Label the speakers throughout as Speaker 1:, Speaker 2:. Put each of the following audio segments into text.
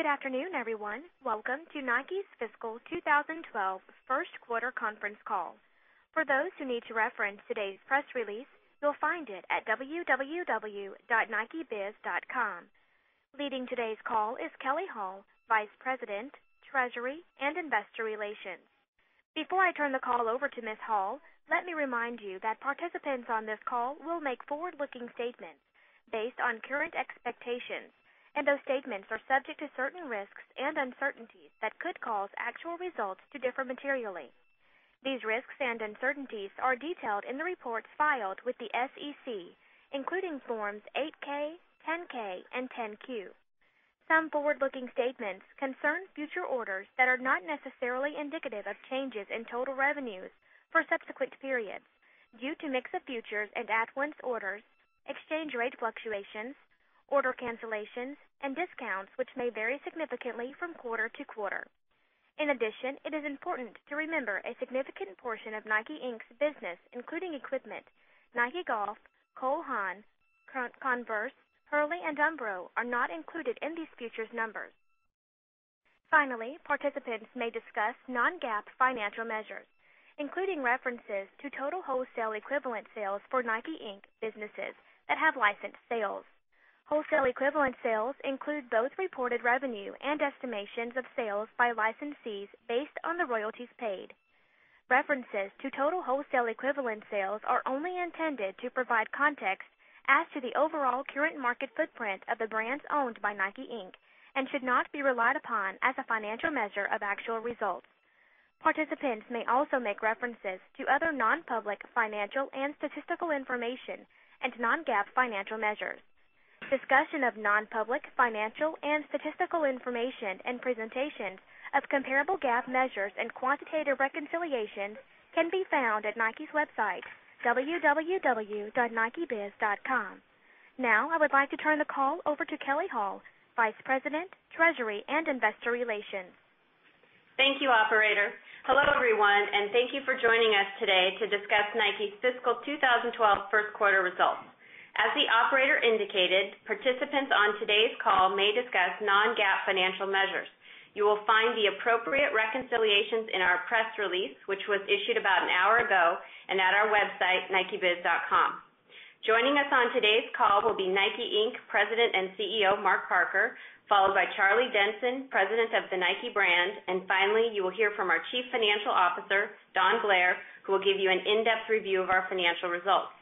Speaker 1: Good afternoon, everyone. Welcome to Nike's Fiscal 2012 First Quarter Conference Call. For those who need to reference today's press release, you'll find it at www.nikebiz.com. Leading today's call is Kelley Hall, Vice President, Treasury, and Investor Relations. Before I turn the call over to Ms. Hall, let me remind you that participants on this call will make forward-looking statements based on current expectations, and those statements are subject to certain risks and uncertainties that could cause actual results to differ materially. These risks and uncertainties are detailed in the reports filed with the SEC, including forms 8-K, 10-K, and 10-Q. Some forward-looking statements concern future orders that are not necessarily indicative of changes in total revenues for subsequent periods due to mix of futures and at-once orders, exchange rate fluctuations, order cancellations, and discounts which may vary significantly from quarter to quarter. In addition, it is important to remember a significant portion of Nike Inc.'s business, including equipment, Nike Golf, Cole Haan, Converse, Hurley, and Umbro, are not included in these futures' numbers. Finally, participants may discuss non-GAAP financial measures, including references to total wholesale equivalent sales for Nike Inc. businesses that have licensed sales. Wholesale equivalent sales include both reported revenue and estimations of sales by licensees based on the royalties paid. References to total wholesale equivalent sales are only intended to provide context as to the overall current market footprint of the brands owned by Nike Inc. and should not be relied upon as a financial measure of actual results. Participants may also make references to other non-public financial and statistical information and non-GAAP financial measures. Discussion of non-public financial and statistical information and presentations of comparable GAAP measures and quantitative reconciliations can be found at Nike's website, www.nikebiz.com. Now, I would like to turn the call over to Kelley Hall, Vice President, Treasury, and Investor Relations.
Speaker 2: Thank you, Operator. Hello, everyone, and thank you for joining us today to discuss Nike's fiscal 2012 first quarter results. As the Operator indicated, participants on today's call may discuss non-GAAP financial measures. You will find the appropriate reconciliations in our press release, which was issued about an hour ago, and at our website, nikebiz.com. Joining us on today's call will be Nike Inc. President and CEO Mark Parker, followed by Charlie Denson, President of the Nike brand, and finally, you will hear from our Chief Financial Officer, Don Blair, who will give you an in-depth review of our financial results.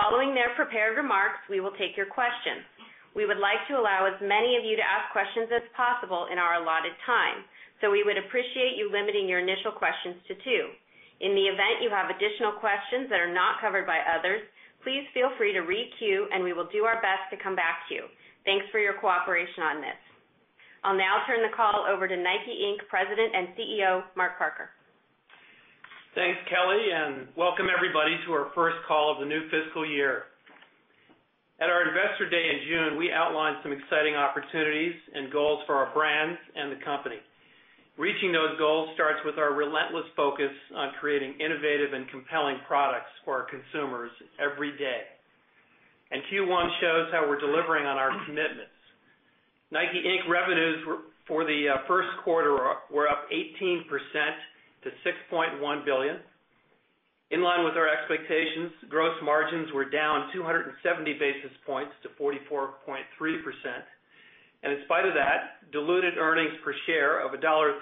Speaker 2: Following their prepared remarks, we will take your questions. We would like to allow as many of you to ask questions as possible in our allotted time, so we would appreciate you limiting your initial questions to two. In the event you have additional questions that are not covered by others, please feel free to re-queue, and we will do our best to come back to you. Thanks for your cooperation on this. I'll now turn the call over to Nike Inc. President and CEO Mark Parker.
Speaker 3: Thanks, Kelley, and welcome, everybody, to our first call of the new fiscal year. At our Investor Day in June, we outlined some exciting opportunities and goals for our brand and the company. Reaching those goals starts with our relentless focus on creating innovative and compelling products for our consumers every day. Q1 shows how we're delivering on our commitments. Nike Inc. revenues for the first quarter were up 18% to $6.1 billion. In line with our expectations, gross margins were down 270 basis points to 44.3%. In spite of that, diluted earnings per share of $1.36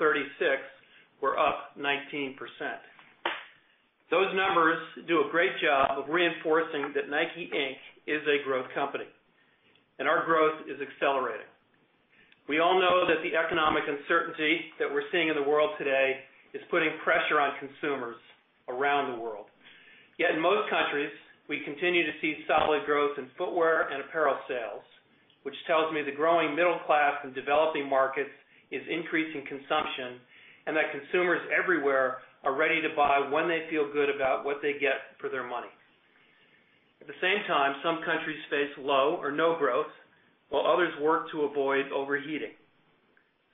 Speaker 3: were up 19%. Those numbers do a great job of reinforcing that Nike Inc. is a growth company, and our growth is accelerating. We all know that the economic uncertainty that we're seeing in the world today is putting pressure on consumers around the world. Yet in most countries, we continue to see solid growth in footwear and apparel sales, which tells me the growing middle class in developing markets is increasing consumption and that consumers everywhere are ready to buy when they feel good about what they get for their money. At the same time, some countries face low or no growth, while others work to avoid overheating.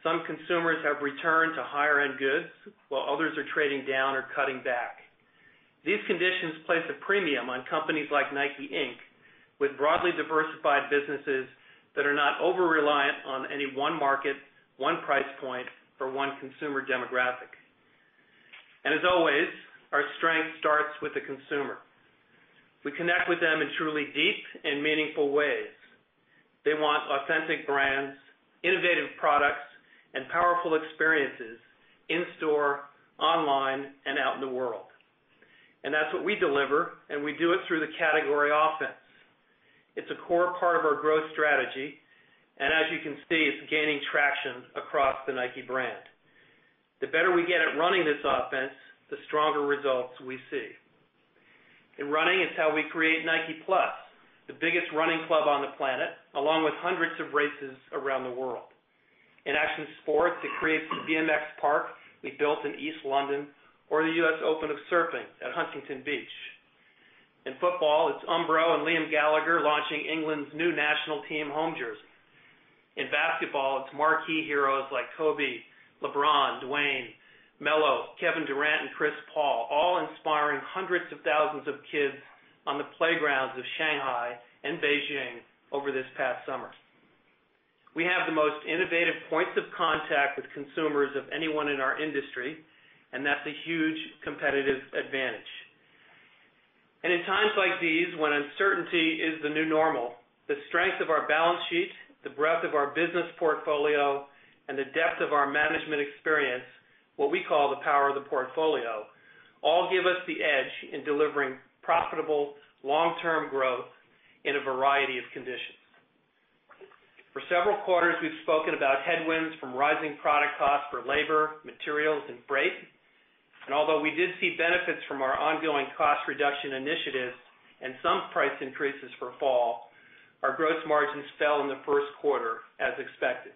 Speaker 3: Some consumers have returned to higher-end goods, while others are trading down or cutting back. These conditions place a premium on companies like Nike Inc. with broadly diversified businesses that are not over-reliant on any one market, one price point, or one consumer demographic. As always, our strength starts with the consumer. We connect with them in truly deep and meaningful ways. They want authentic brands, innovative products, and powerful experiences in-store, online, and out in the world. That's what we deliver, and we do it through the category offense. It's a core part of our growth strategy, and as you can see, it's gaining traction across the Nike brand. The better we get at running this offense, the stronger results we see. In running, it's how we create Nike+, the biggest running club on the planet, along with hundreds of races around the world. In action sports, it creates the BMX park we built in East London or the U.S. Open of Surfing at Huntington Beach. In football, it's Umbro and Liam Gallagher launching England's new national team home jersey. In basketball, it's marquee heroes like Kobe, LeBron, Dwyane, Melo, Kevin Durant, and Chris Paul all inspiring hundreds of thousands of kids on the playgrounds of Shanghai and Beijing over this past summer. We have the most innovative points of contact with consumers of anyone in our industry, and that's a huge competitive advantage. In times like these, when uncertainty is the new normal, the strength of our balance sheet, the breadth of our business portfolio, and the depth of our management experience, what we call the power of the portfolio, all give us the edge in delivering profitable long-term growth in a variety of conditions. For several quarters, we've spoken about headwinds from rising product costs for labor, materials, and freight. Although we did see benefits from our ongoing cost reduction initiatives and some price increases for fall, our gross margins fell in the first quarter as expected.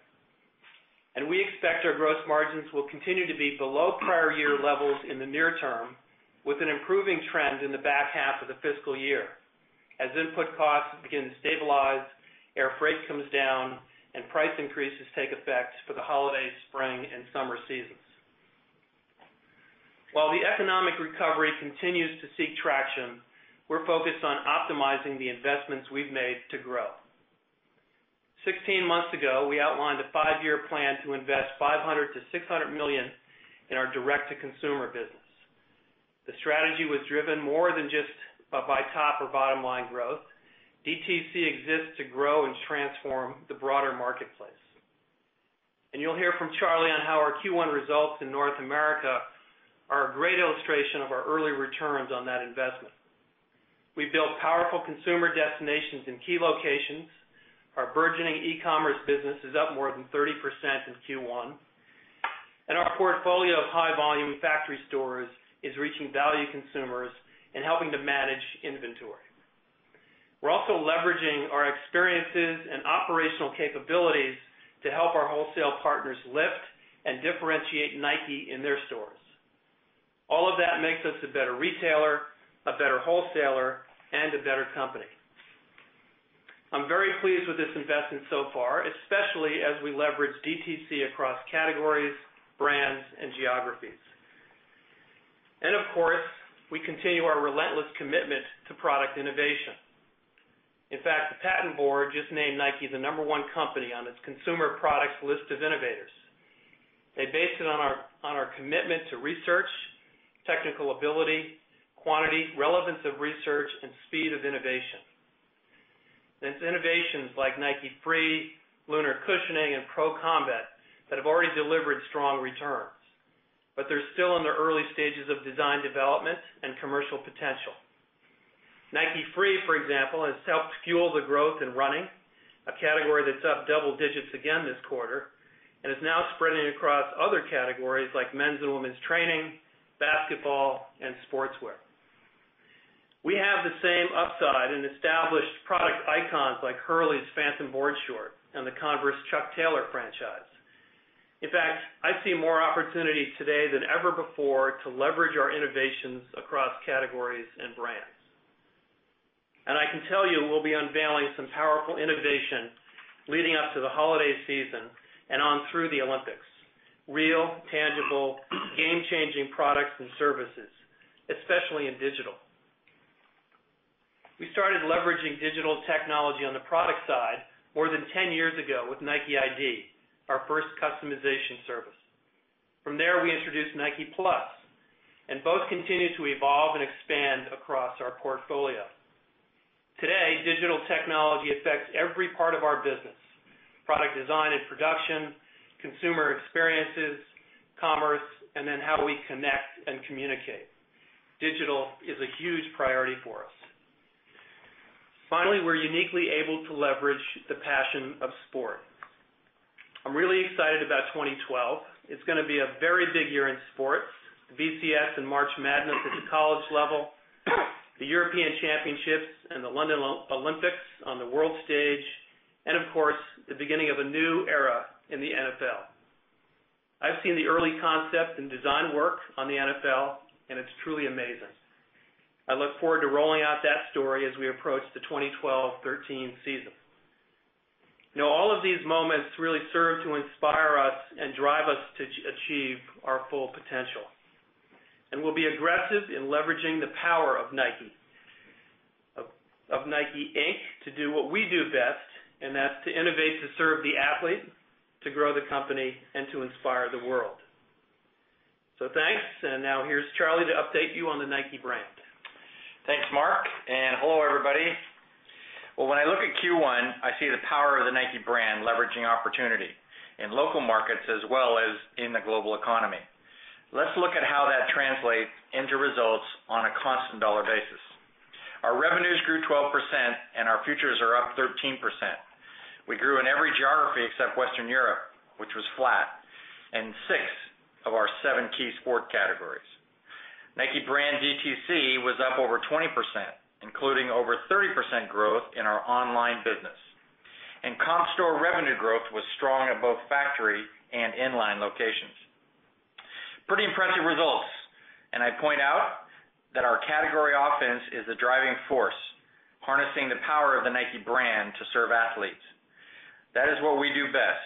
Speaker 3: We expect our gross margins will continue to be below prior year levels in the near term, with an improving trend in the back half of the fiscal year as input costs begin to stabilize, air freight comes down, and price increases take effect for the holidays, spring, and summer seasons. While the economic recovery continues to seek traction, we're focused on optimizing the investments we've made to grow. Sixteen months ago, we outlined a five-year plan to invest $500 million-$600 million in our direct-to-consumer business. The strategy was driven more than just by top or bottom line growth. DTC exists to grow and transform the broader marketplace. You'll hear from Charlie on how our Q1 results in North America are a great illustration of our early returns on that investment. We built powerful consumer destinations in key locations, our burgeoning e-commerce business is up more than 30% in Q1, and our portfolio of high-volume factory stores is reaching value consumers and helping to manage inventory. We're also leveraging our experiences and operational capabilities to help our wholesale partners lift and differentiate Nike in their stores. All of that makes us a better retailer, a better wholesaler, and a better company. I'm very pleased with this investment so far, especially as we leverage DTC across categories, brands, and geographies. Of course, we continue our relentless commitment to product innovation. In fact, the Patent Board just named Nike the number one company on its consumer products list of innovators. They based it on our commitment to research, technical ability, quantity, relevance of research, and speed of innovation. It's innovations like Nike Free, Lunar cushioning, and Pro Combat that have already delivered strong returns, but they're still in the early stages of design development and commercial potential. Nike Free, for example, has helped fuel the growth in running, a category that's up double digits again this quarter, and is now spreading across other categories like men's and women's training, basketball, and sportswear. We have the same upside in established product icons like Hurley's Phantom boardshorts and the Converse Chuck Taylor franchise. In fact, I see more opportunity today than ever before to leverage our innovations across categories and brands. I can tell you we'll be unveiling some powerful innovation leading up to the holiday season and on through the Olympics. Real, tangible, game-changing products and services, especially in digital. We started leveraging digital technology on the product side more than 10 years ago with NikeiD, our first customization service. From there, we introduced Nike+, and both continue to evolve and expand across our portfolio. Today, digital technology affects every part of our business: product design and production, consumer experiences, commerce, and then how we connect and communicate. Digital is a huge priority for us. Finally, we're uniquely able to leverage the passion of sport. I'm really excited about 2012. It's going to be a very big year in sports: the BCS and March Madness at the college level, the European Championships and the London Olympics on the world stage, and of course, the beginning of a new era in the NFL. I've seen the early concept and design work on the NFL, and it's truly amazing. I look forward to rolling out that story as we approach the 2012, 2013 season. All of these moments really serve to inspire us and drive us to achieve our full potential. We'll be aggressive in leveraging the power of Nike Inc. to do what we do best, and that's to innovate to serve the athlete, to grow the company, and to inspire the world. Thanks, and now here's Charlie to update you on the Nike brand.
Speaker 4: Thanks, Mark, and hello, everybody. When I look at Q1, I see the power of the Nike brand leveraging opportunity in local markets as well as in the global economy. Let's look at how that translates into results on a constant dollar basis. Our revenues grew 12%, and our futures are up 13%. We grew in every geography except Western Europe, which was flat, and six of our seven key sport categories. Nike brand DTC was up over 20%, including over 30% growth in our online business. Comp store revenue growth was strong at both factory and inline locations. Pretty impressive results. I'd point out that our category offense is the driving force, harnessing the power of the Nike brand to serve athletes. That is what we do best: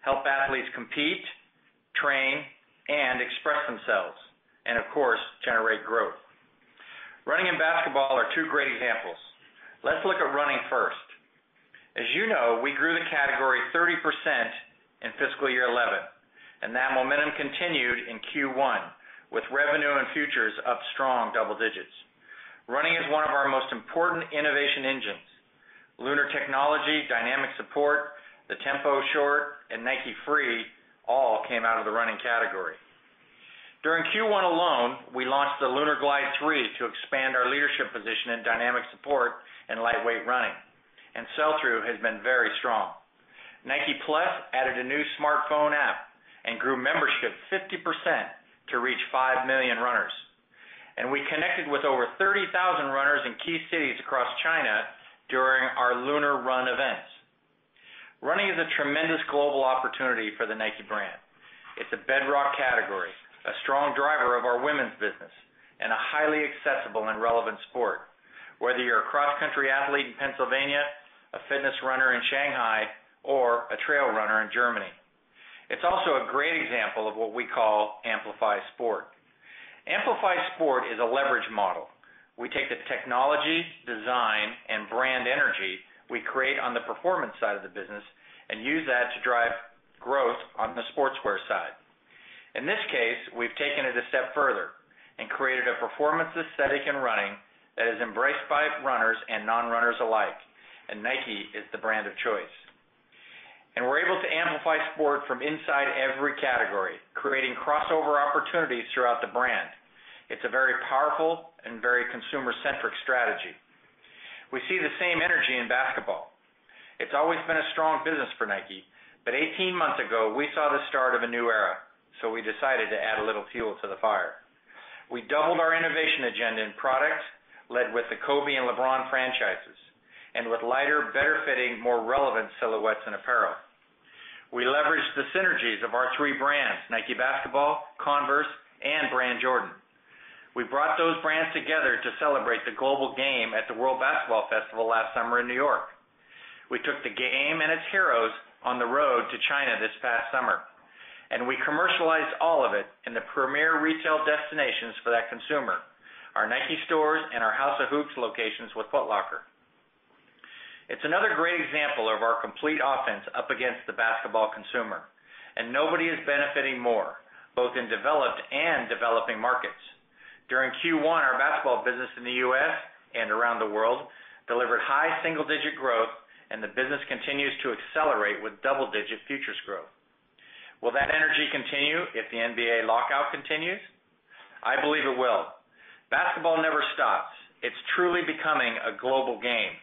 Speaker 4: help athletes compete, train, and express themselves, and of course, generate growth. Running and basketball are two great examples. Let's look at running first. As you know, we grew the category 30% in fiscal year 2011, and that momentum continued in Q1, with revenue and futures up strong double digits. Running is one of our most important innovation engines. Lunar technology, dynamic support, the Tempo short, and Nike Free all came out of the running category. During Q1 alone, we launched the Lunarglide 3 to expand our leadership position in dynamic support and lightweight running. Sell-through has been very strong. Nike+ added a new smartphone app and grew membership 50% to reach 5 million runners. We connected with over 30,000 runners in key cities across China during our Lunar Run events. Running is a tremendous global opportunity for the Nike brand. It's a bedrock category, a strong driver of our women's business, and a highly accessible and relevant sport, whether you're a cross-country athlete in Pennsylvania, a fitness runner in Shanghai, or a trail runner in Germany. It's also a great example of what we call Amplify Sport. Amplify Sport is a leverage model. We take the technology, design, and brand energy we create on the performance side of the business and use that to drive growth on the sportswear side. In this case, we've taken it a step further and created a performance aesthetic in running that has been embraced by runners and non-runners alike, and Nike is the brand of choice. We're able to amplify sport from inside every category, creating crossover opportunities throughout the brand. It's a very powerful and very consumer-centric strategy. We see the same energy in basketball. It's always been a strong business for Nike, but 18 months ago, we saw the start of a new era, so we decided to add a little fuel to the fire. We doubled our innovation agenda in products, led with the Kobe and LeBron franchises, and with lighter, better-fitting, more relevant silhouettes and apparel. We leveraged the synergies of our three brands: Nike Basketball, Converse, and Brand Jordan. We brought those brands together to celebrate the global game at the World Basketball Festival last summer in New York. We took the game and its heroes on the road to China this past summer, and we commercialized all of it in the premier retail destinations for that consumer: our Nike stores and our House of Hoops locations with Foot Locker. It's another great example of our complete offense up against the basketball consumer, and nobody is benefiting more, both in developed and developing markets. During Q1, our basketball business in the U.S. and around the world delivered high single-digit growth, and the business continues to accelerate with double-digit futures growth. Will that energy continue if the NBA lockout continues? I believe it will. Basketball never stops. It's truly becoming a global game.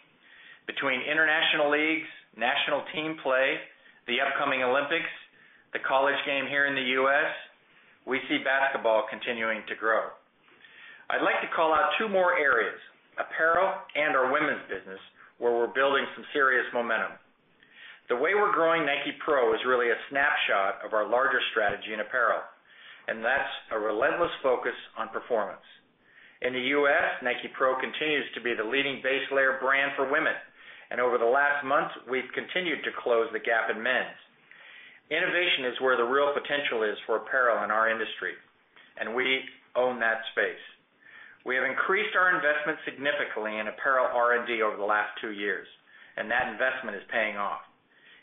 Speaker 4: Between international leagues, national team play, the upcoming Olympics, the college game here in the U.S., we see basketball continuing to grow. I'd like to call out two more areas: apparel and our women's business, where we're building some serious momentum. The way we're growing Nike Pro is really a snapshot of our larger strategy in apparel, and that's a relentless focus on performance. In the U.S., Nike Pro continues to be the leading base layer brand for women, and over the last month, we've continued to close the gap in men's. Innovation is where the real potential is for apparel in our industry, and we own that space. We have increased our investment significantly in apparel R&D over the last two years, and that investment is paying off.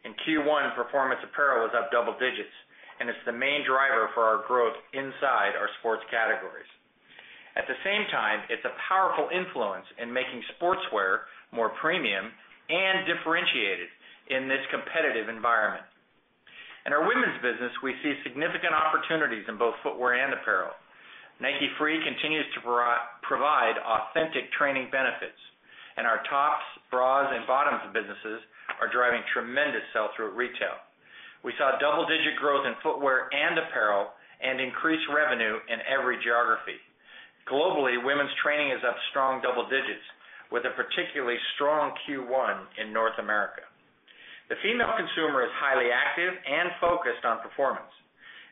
Speaker 4: In Q1, performance apparel was up double digits, and it's the main driver for our growth inside our sports categories. At the same time, it's a powerful influence in making sportswear more premium and differentiated in this competitive environment. In our women's business, we see significant opportunities in both footwear and apparel. Nike Free continues to provide authentic training benefits, and our tops, bras, and bottoms businesses are driving tremendous sell-through retail. We saw double-digit growth in footwear and apparel and increased revenue in every geography. Globally, women's training is up strong double digits, with a particularly strong Q1 in North America. The female consumer is highly active and focused on performance,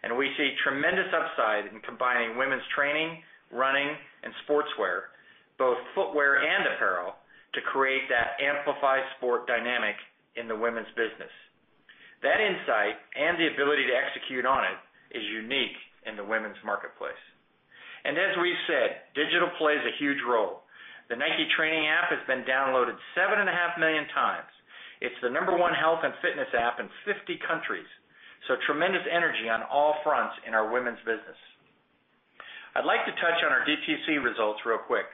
Speaker 4: and we see tremendous upside in combining women's training, running, and sportswear, both footwear and apparel, to create that Amplify Sport dynamic in the women's business. That insight and the ability to execute on it is unique in the women's marketplace. As we said, digital plays a huge role. The Nike Training app has been downloaded 7.5 million times. It's the number one health and fitness app in 50 countries, so tremendous energy on all fronts in our women's business. I'd like to touch on our DTC results real quick.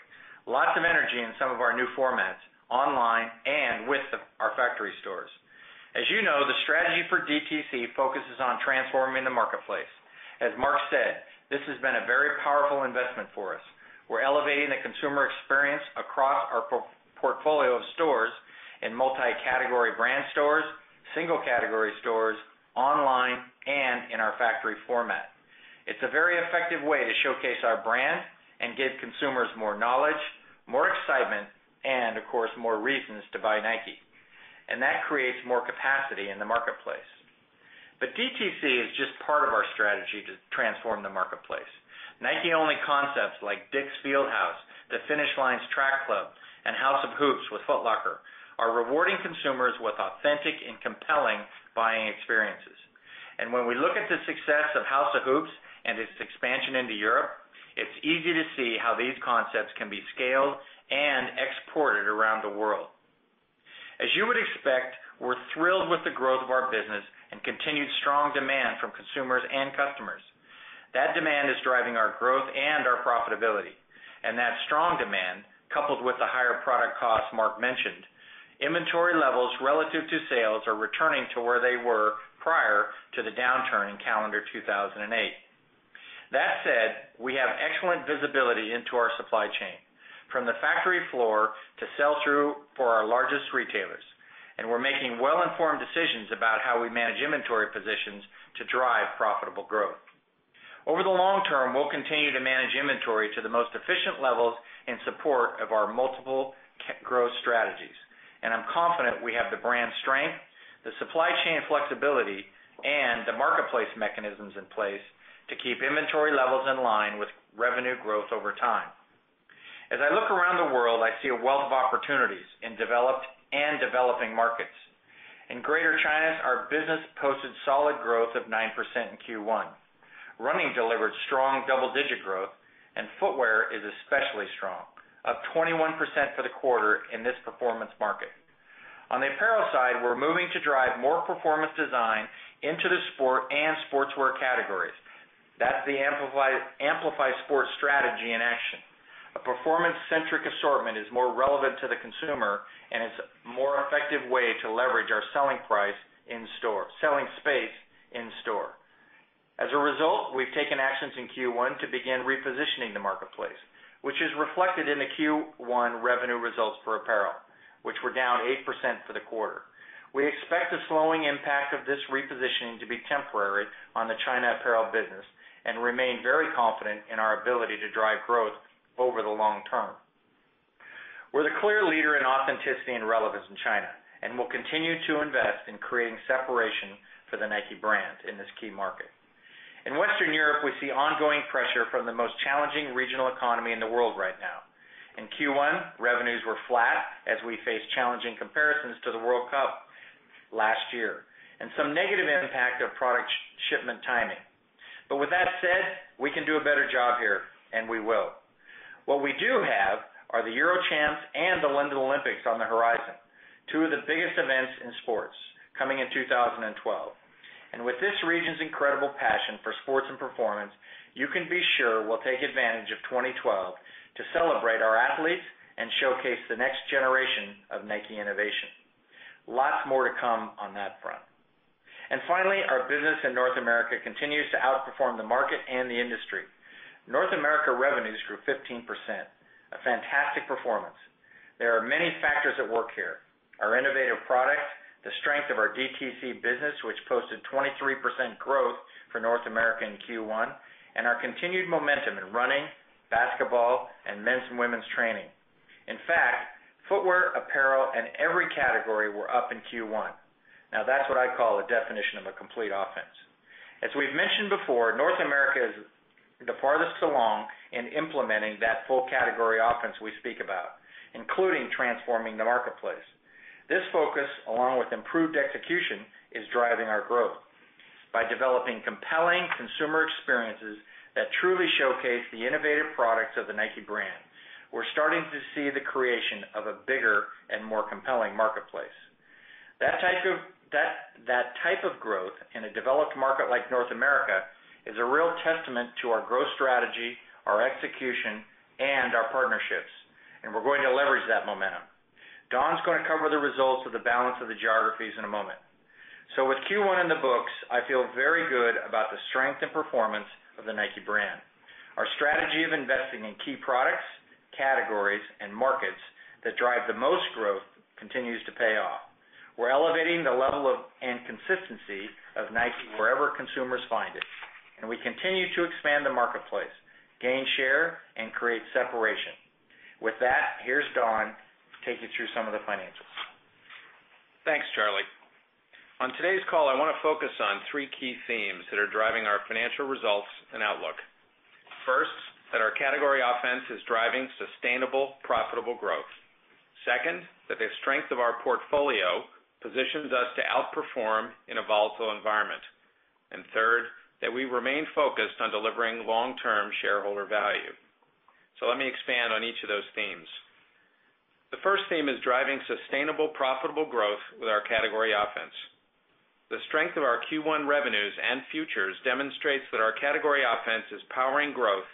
Speaker 4: Lots of energy in some of our new formats online and with our factory stores. As you know, the strategy for DTC focuses on transforming the marketplace. As Mark said, this has been a very powerful investment for us. We're elevating the consumer experience across our portfolio of stores in multi-category brand stores, single-category stores, online, and in our factory format. It's a very effective way to showcase our brand and give consumers more knowledge, more excitement, and of course, more reasons to buy Nike. That creates more capacity in the marketplace. DTC is just part of our strategy to transform the marketplace. Nike-only concepts like DICK'S [Fieldhouse], the Finnish Lions Track Club, and House of Hoops with Foot Locker are rewarding consumers with authentic and compelling buying experiences. When we look at the success of House of Hoops and its expansion into Europe, it's easy to see how these concepts can be scaled and exported around the world. As you would expect, we're thrilled with the growth of our business and continued strong demand from consumers and customers. That demand is driving our growth and our profitability. That strong demand, coupled with the higher product costs Mark mentioned, inventory levels relative to sales are returning to where they were prior to the downturn in calendar 2008. We have excellent visibility into our supply chain, from the factory floor to sell-through for our largest retailers. We're making well-informed decisions about how we manage inventory positions to drive profitable growth. Over the long term, we'll continue to manage inventory to the most efficient levels in support of our multiple growth strategies. I'm confident we have the brand strength, the supply chain flexibility, and the marketplace mechanisms in place to keep inventory levels in line with revenue growth over time. As I look around the world, I see a wealth of opportunities in developed and developing markets. In Greater China, our business posted solid growth of 9% in Q1. Running delivered strong double-digit growth, and footwear is especially strong, up 21% for the quarter in this performance market. On the apparel side, we're moving to drive more performance design into the sport and sportswear categories. That's the Amplify Sport strategy in action. A performance-centric assortment is more relevant to the consumer and is a more effective way to leverage our selling space in store. As a result, we've taken actions in Q1 to begin repositioning the marketplace, which is reflected in the Q1 revenue results for apparel, which were down 8% for the quarter. We expect the slowing impact of this repositioning to be temporary on the China apparel business and remain very confident in our ability to drive growth over the long term. We're the clear leader in authenticity and relevance in China, and we'll continue to invest in creating separation for the Nike brand in this key market. In Western Europe, we see ongoing pressure from the most challenging regional economy in the world right now. In Q1, revenues were flat as we faced challenging comparisons to the World Cup last year and some negative impact of product shipment timing. We can do a better job here, and we will. What we do have are the Euro Champs and the London Olympics on the horizon, two of the biggest events in sports coming in 2012. With this region's incredible passion for sports and performance, you can be sure we'll take advantage of 2012 to celebrate our athletes and showcase the next generation of Nike innovation. Lots more to come on that front. Finally, our business in North America continues to outperform the market and the industry. North America revenues grew 15%, a fantastic performance. There are many factors at work here: our innovative products, the strength of our DTC business, which posted 23% growth for North America in Q1, and our continued momentum in running, basketball, and men's and women's training. In fact, footwear, apparel, and every category were up in Q1. Now, that's what I call a definition of a complete offense. As we've mentioned before, North America is the farthest along in implementing that full category offense we speak about, including transforming the marketplace. This focus, along with improved execution, is driving our growth. By developing compelling consumer experiences that truly showcase the innovative products of the Nike brand, we're starting to see the creation of a bigger and more compelling marketplace. That type of growth in a developed market like North America is a real testament to our growth strategy, our execution, and our partnerships, and we're going to leverage that momentum. Don's going to cover the results of the balance of the geographies in a moment. With Q1 in the books, I feel very good about the strength and performance of the Nike brand. Our strategy of investing in key products, categories, and markets that drive the most growth continues to pay off. We're elevating the level of consistency of Nike wherever consumers find it, and we continue to expand the marketplace, gain share, and create separation. With that, here's Don to take you through some of the financials.
Speaker 5: Thanks, Charlie. On today's call, I want to focus on three key themes that are driving our financial results and outlook. First, that our category offense is driving sustainable, profitable growth. Second, that the strength of our portfolio positions us to outperform in a volatile environment. Third, that we remain focused on delivering long-term shareholder value. Let me expand on each of those themes. The first theme is driving sustainable, profitable growth with our category offense. The strength of our Q1 revenues and futures demonstrates that our category offense is powering growth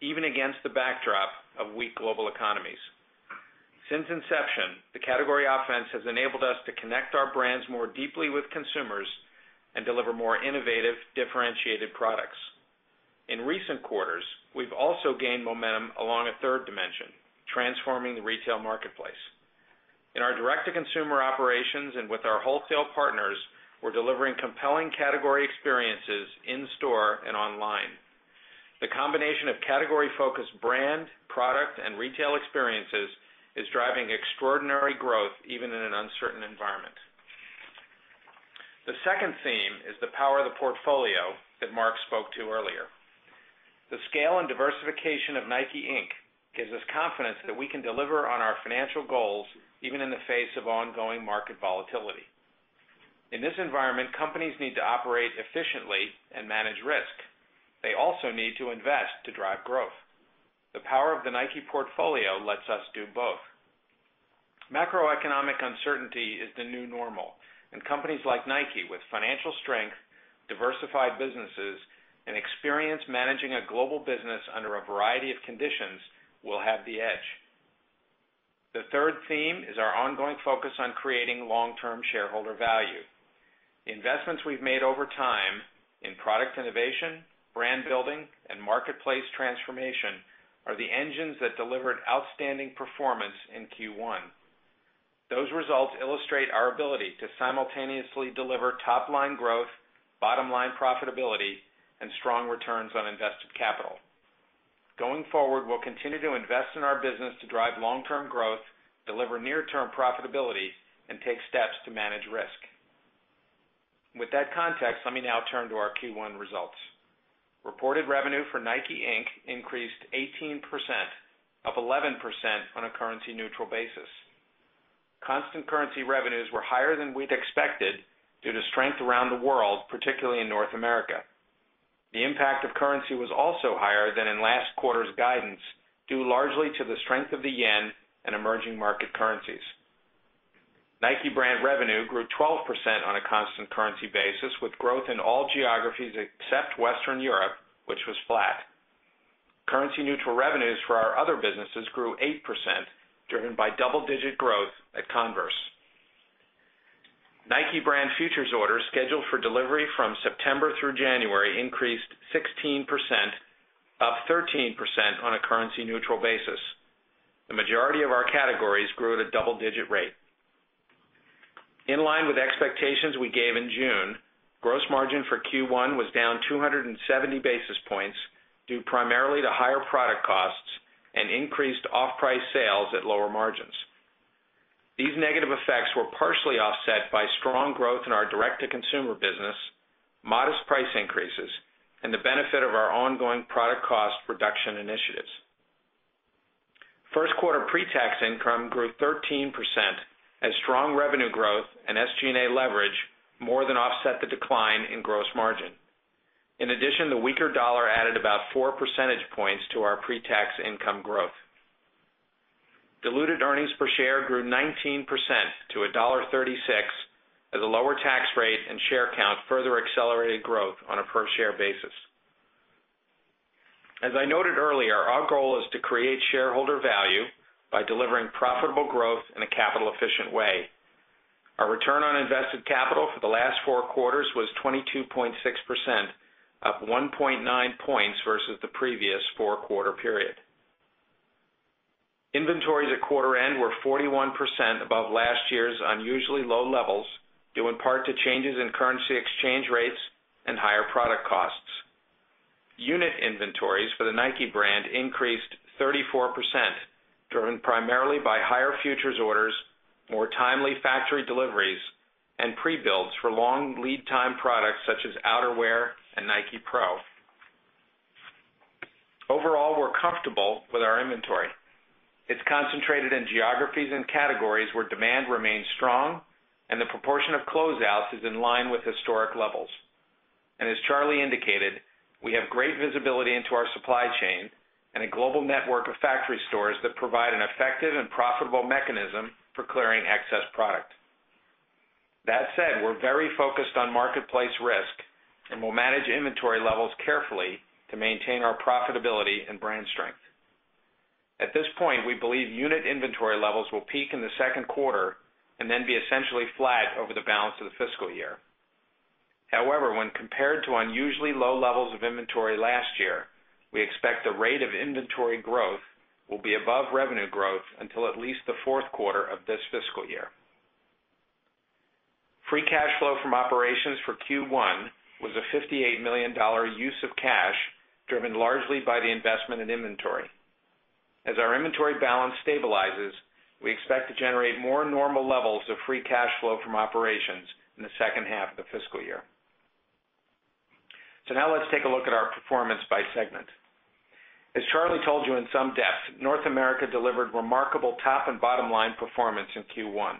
Speaker 5: even against the backdrop of weak global economies. Since inception, the category offense has enabled us to connect our brands more deeply with consumers and deliver more innovative, differentiated products. In recent quarters, we've also gained momentum along a third dimension, transforming the retail marketplace. In our direct-to-consumer operations and with our wholesale partners, we're delivering compelling category experiences in-store and online. The combination of category-focused brand, product, and retail experiences is driving extraordinary growth even in an uncertain environment. The second theme is the power of the portfolio that Mark spoke to earlier. The scale and diversification of Nike Inc. gives us confidence that we can deliver on our financial goals even in the face of ongoing market volatility. In this environment, companies need to operate efficiently and manage risk. They also need to invest to drive growth. The power of the Nike portfolio lets us do both. Macroeconomic uncertainty is the new normal, and companies like Nike with financial strength, diversified businesses, and experience managing a global business under a variety of conditions will have the edge. The third theme is our ongoing focus on creating long-term shareholder value. The investments we've made over time in product innovation, brand building, and marketplace transformation are the engines that delivered outstanding performance in Q1. Those results illustrate our ability to simultaneously deliver top-line growth, bottom-line profitability, and strong returns on invested capital. Going forward, we'll continue to invest in our business to drive long-term growth, deliver near-term profitability, and take steps to manage risk. With that context, let me now turn to our Q1 results. Reported revenue for Nike Inc. increased 18%, up 11% on a currency-neutral basis. Constant currency revenues were higher than we'd expected due to strength around the world, particularly in North America. The impact of currency was also higher than in last quarter's guidance, due largely to the strength of the yen and emerging market currencies. Nike brand revenue grew 12% on a constant currency basis, with growth in all geographies except Western Europe, which was flat. Currency-neutral revenues for our other businesses grew 8%, driven by double-digit growth at Converse. Nike brand futures orders scheduled for delivery from September through January increased 16%, up 13% on a currency-neutral basis. The majority of our categories grew at a double-digit rate. In line with expectations we gave in June, gross margin for Q1 was down 270 basis points due primarily to higher product costs and increased off-price sales at lower margins. These negative effects were partially offset by strong growth in our direct-to-consumer business, modest price increases, and the benefit of our ongoing product cost reduction initiatives. First quarter pre-tax income grew 13% as strong revenue growth and SG&A leverage more than offset the decline in gross margin. In addition, the weaker dollar added about four percentage points to our pre-tax income growth. Diluted earnings per share grew 19% to $1.36 as a lower tax rate and share count further accelerated growth on a per-share basis. As I noted earlier, our goal is to create shareholder value by delivering profitable growth in a capital-efficient way. Our return on invested capital for the last four quarters was 22.6%, up 1.9 points versus the previous four-quarter period. Inventories at quarter end were 41% above last year's unusually low levels due in part to changes in currency exchange rates and higher product costs. Unit inventories for the Nike brand increased 34%, driven primarily by higher futures orders, more timely factory deliveries, and pre-builds for long lead-time products such as outerwear and Nike Pro. Overall, we're comfortable with our inventory. It's concentrated in geographies and categories where demand remains strong, and the proportion of close-outs is in line with historic levels. As Charlie indicated, we have great visibility into our supply chain and a global network of factory stores that provide an effective and profitable mechanism for clearing excess product. That said, we're very focused on marketplace risk, and we'll manage inventory levels carefully to maintain our profitability and brand strength. At this point, we believe unit inventory levels will peak in the second quarter and then be essentially flat over the balance of the fiscal year. However, when compared to unusually low levels of inventory last year, we expect the rate of inventory growth will be above revenue growth until at least the fourth quarter of this fiscal year. Free cash flow from operations for Q1 was a $58 million use of cash, driven largely by the investment in inventory. As our inventory balance stabilizes, we expect to generate more normal levels of free cash flow from operations in the second half of the fiscal year. Now let's take a look at our performance by segment. As Charlie told you in some depth, North America delivered remarkable top and bottom line performance in Q1.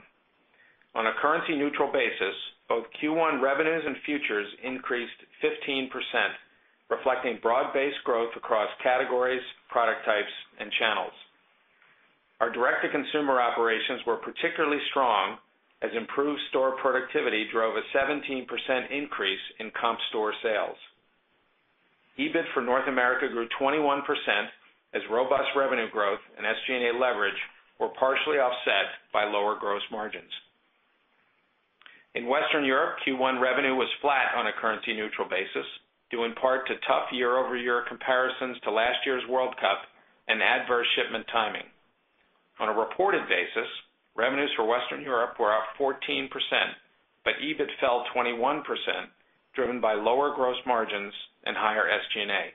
Speaker 5: On a currency-neutral basis, both Q1 revenues and futures increased 15%, reflecting broad-based growth across categories, product types, and channels. Our direct-to-consumer operations were particularly strong as improved store productivity drove a 17% increase in comp store sales. EBIT for North America grew 21% as robust revenue growth and SG&A leverage were partially offset by lower gross margins. In Western Europe, Q1 revenue was flat on a currency-neutral basis, due in part to tough year-over-year comparisons to last year's World Cup and adverse shipment timing. On a reported basis, revenues for Western Europe were up 14%, but EBIT fell 21%, driven by lower gross margins and higher SG&A.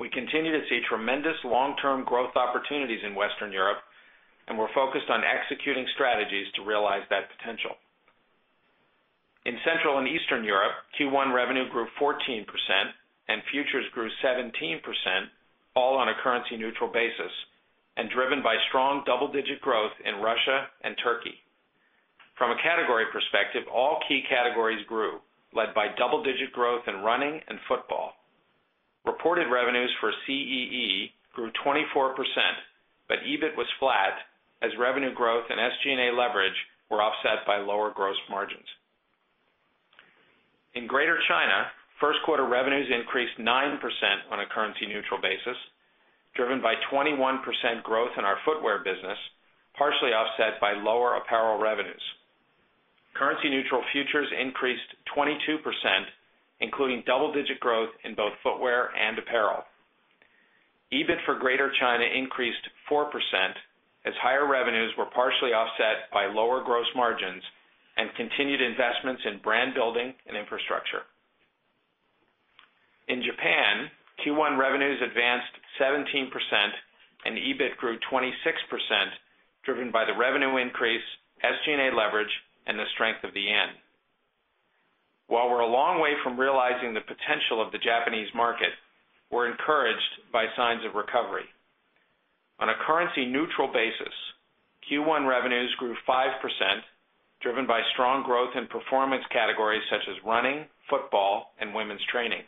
Speaker 5: We continue to see tremendous long-term growth opportunities in Western Europe, and we're focused on executing strategies to realize that potential. In Central and Eastern Europe, Q1 revenue grew 14% and futures grew 17%, all on a currency-neutral basis and driven by strong double-digit growth in Russia and Turkey. From a category perspective, all key categories grew, led by double-digit growth in running and football. Reported revenues for CEE grew 24%, but EBIT was flat as revenue growth and SG&A leverage were offset by lower gross margins. In Greater China, first quarter revenues increased 9% on a currency-neutral basis, driven by 21% growth in our footwear business, partially offset by lower apparel revenues. Currency-neutral futures increased 22%, including double-digit growth in both footwear and apparel. EBIT for Greater China increased 4% as higher revenues were partially offset by lower gross margins and continued investments in brand building and infrastructure. In Japan, Q1 revenues advanced 17% and EBIT grew 26%, driven by the revenue increase, SG&A leverage, and the strength of the yen. While we're a long way from realizing the potential of the Japanese market, we're encouraged by signs of recovery. On a currency-neutral basis, Q1 revenues grew 5%, driven by strong growth in performance categories such as running, football, and women's training.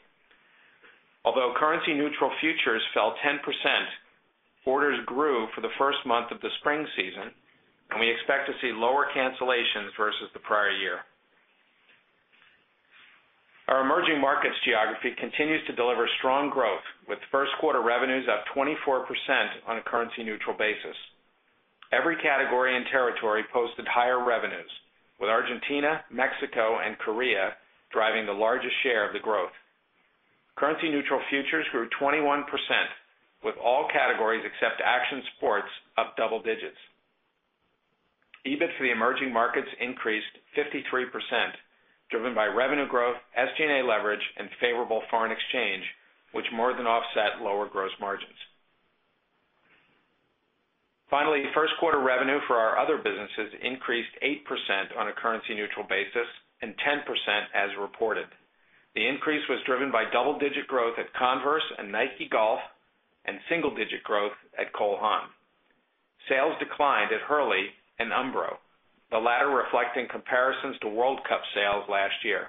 Speaker 5: Although currency-neutral futures fell 10%, orders grew for the first month of the spring season, and we expect to see lower cancellations versus the prior year. Our emerging markets geography continues to deliver strong growth, with first quarter revenues up 24% on a currency-neutral basis. Every category and territory posted higher revenues, with Argentina, Mexico, and Korea driving the largest share of the growth. Currency-neutral futures grew 21%, with all categories except action sports up double digits. EBIT for the emerging markets increased 53%, driven by revenue growth, SG&A leverage, and favorable foreign exchange, which more than offset lower gross margins. Finally, first quarter revenue for our other businesses increased 8% on a currency-neutral basis and 10% as reported. The increase was driven by double-digit growth at Converse and Nike Golf and single-digit growth at Cole Haan. Sales declined at Hurley and Umbro, the latter reflecting comparisons to World Cup sales last year.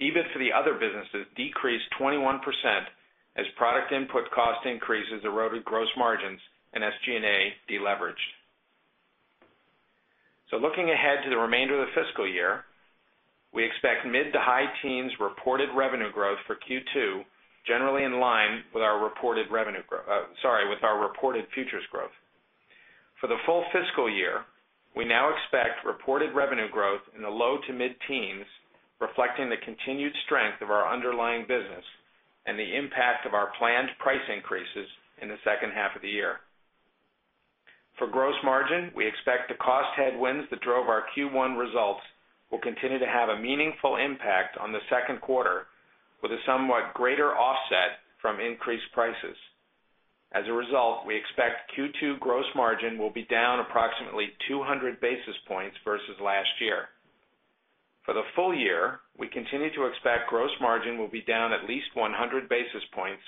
Speaker 5: EBIT for the other businesses decreased 21% as product input cost increases eroded gross margins and SG&A deleveraged. Looking ahead to the remainder of the fiscal year, we expect mid to high teens reported revenue growth for Q2, generally in line with our reported futures growth. For the full fiscal year, we now expect reported revenue growth in the low to mid teens, reflecting the continued strength of our underlying business and the impact of our planned price increases in the second half of the year. For gross margin, we expect the cost headwinds that drove our Q1 results will continue to have a meaningful impact on the second quarter with a somewhat greater offset from increased prices. As a result, we expect Q2 gross margin will be down approximately 200 basis points versus last year. For the full year, we continue to expect gross margin will be down at least 100 basis points,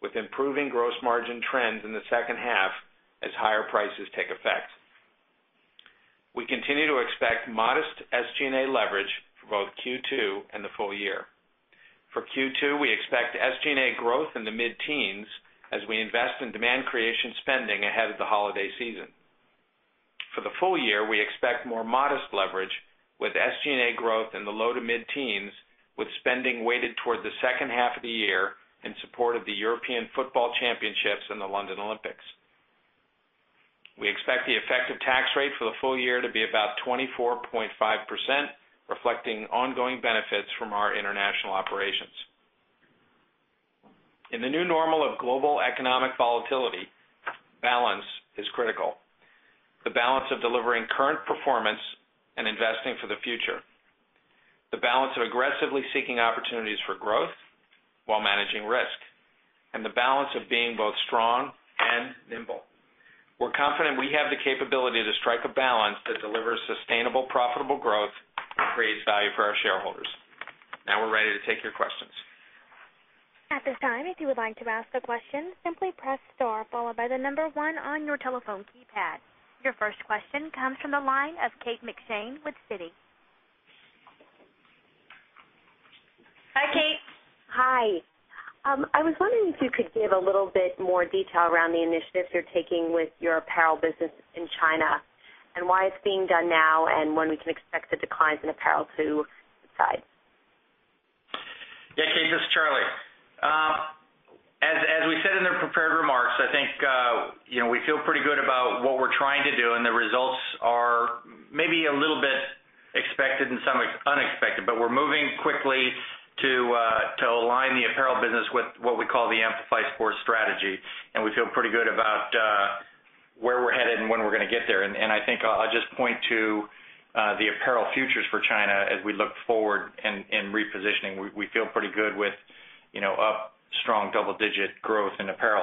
Speaker 5: with improving gross margin trends in the second half as higher prices take effect. We continue to expect modest SG&A leverage for both Q2 and the full year. For Q2, we expect SG&A growth in the mid teens as we invest in demand creation spending ahead of the holiday season. For the full year, we expect more modest leverage with SG&A growth in the low to mid teens, with spending weighted toward the second half of the year in support of the European Football Championships and the London Olympics. We expect the effective tax rate for the full year to be about 24.5%, reflecting ongoing benefits from our international operations. In the new normal of global economic volatility, balance is critical. The balance of delivering current performance and investing for the future, the balance of aggressively seeking opportunities for growth while managing risk, and the balance of being both strong and nimble. We're confident we have the capability to strike a balance that delivers sustainable, profitable growth and creates value for our shareholders. Now we're ready to take your questions.
Speaker 1: At this time, if you would like to ask a question, simply press star followed by the number one on your telephone keypad. Your first question comes from the line of Kate McShane with Citi.
Speaker 2: Hi, Kate.
Speaker 6: I was wondering if you could give a little bit more detail around the initiatives you're taking with your apparel business in Greater China, why it's being done now, and when we can expect the declines in apparel to subside.
Speaker 4: Yeah, Kate, this is Charlie. As we said in the prepared remarks, I think we feel pretty good about what we're trying to do, and the results are maybe a little bit expected and some unexpected, but we're moving quickly to align the apparel business with what we call the Amplify Sport strategy, and we feel pretty good about where we're headed and when we're going to get there. I think I'll just point to the apparel futures for China as we look forward in repositioning. We feel pretty good with up strong double-digit growth in apparel.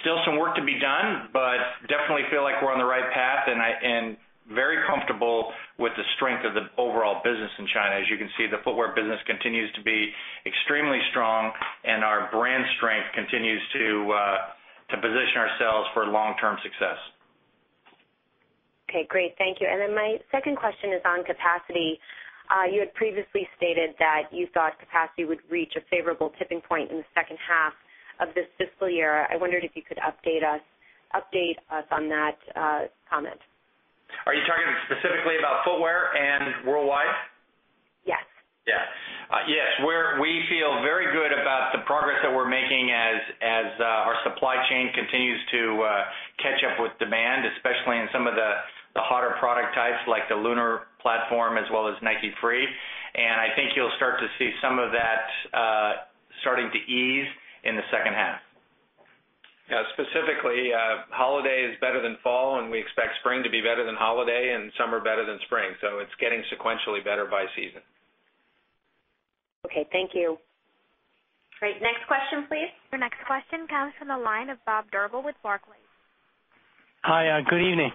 Speaker 4: Still some work to be done, but definitely feel like we're on the right path and very comfortable with the strength of the overall business in China. As you can see, the footwear business continues to be extremely strong, and our brand strength continues to position ourselves for long-term success.
Speaker 6: Okay, great. Thank you. My second question is on capacity. You had previously stated that you thought capacity would reach a favorable tipping point in the second half of this fiscal year. I wondered if you could update us on that comment.
Speaker 4: Are you talking specifically about footwear and worldwide?
Speaker 6: Yes.
Speaker 4: Yes, we feel very good about the progress that we're making as our supply chain continues to catch up with demand, especially in some of the hotter product types like the Lunar platform as well as Nike Free. I think you'll start to see some of that starting to ease in the second half. Specifically, holiday is better than fall, and we expect spring to be better than holiday and summer better than spring. It's getting sequentially better by season.
Speaker 6: Okay, thank you.
Speaker 2: Great. Next question, please.
Speaker 1: Your next question comes from the line of Bob Deverill with Barclays.
Speaker 7: Hi, good evening.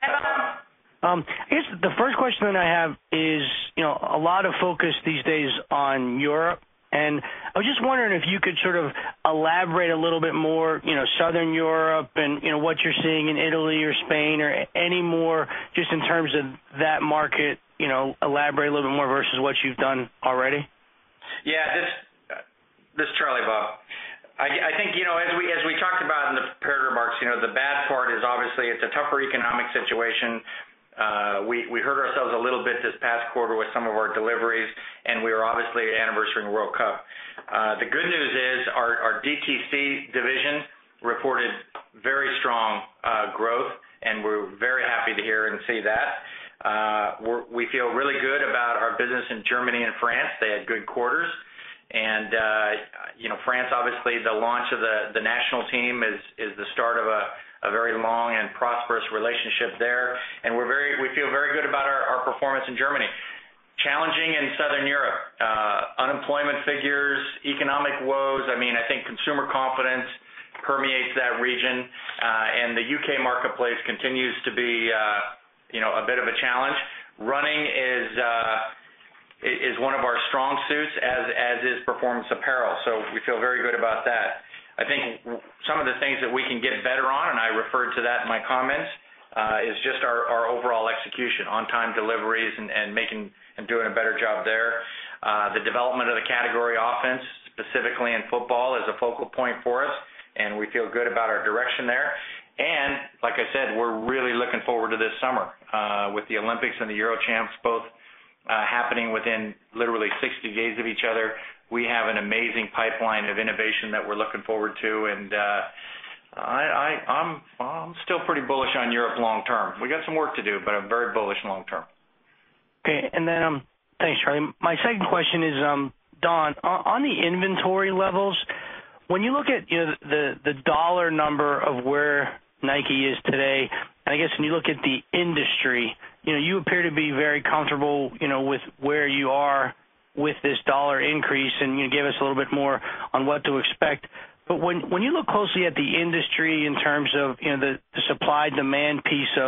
Speaker 7: The first question that I have is a lot of focus these days on Europe, and I was just wondering if you could sort of elaborate a little bit more, you know, Southern Europe and what you're seeing in Italy or Spain or any more just in terms of that market, you know, elaborate a little bit more versus what you've done already?
Speaker 4: Yeah, this is Charlie, Bob. I think, as we talked about in the prepared remarks, the bad part is obviously it's a tougher economic situation. We hurt ourselves a little bit this past quarter with some of our deliveries, and we were obviously anniversary in World Cup. The good news is our DTC division reported very strong growth, and we're very happy to hear and see that. We feel really good about our business in Germany and France. They had good quarters, and France, obviously, the launch of the national team is the start of a very long and prosperous relationship there, and we feel very good about our performance in Germany. Challenging in Southern Europe, unemployment figures, economic woes, I think consumer confidence permeates that region, and the U.K. marketplace continues to be a bit of a challenge. Running is one of our strong suits, as is performance apparel, so we feel very good about that. I think some of the things that we can get better on, and I referred to that in my comments, is just our overall execution, on-time deliveries, and doing a better job there. The development of the category offense, specifically in football, is a focal point for us, and we feel good about our direction there. Like I said, we're really looking forward to this summer with the Olympics and the Euro Champs both happening within literally 60 days of each other. We have an amazing pipeline of innovation that we're looking forward to, and I'm still pretty bullish on Europe long term. We got some work to do, but I'm very bullish long term.
Speaker 7: Okay, thanks, Charlie. My second question is Don, on the inventory levels, when you look at the dollar number of where Nike is today, and I guess when you look at the industry, you appear to be very comfortable with where you are with this dollar increase, and you gave us a little bit more on what to expect. When you look closely at the industry in terms of the supply-demand piece